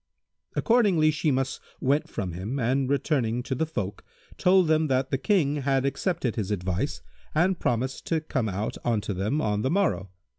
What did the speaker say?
Accordingly Shimas went from him and returning to the folk, told them that the King had accepted his advice and promised to come out unto them on the morrow.